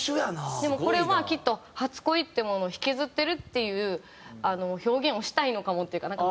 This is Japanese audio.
でもこれはきっと初恋っていうものを引きずってるっていう表現をしたいのかもっていうか。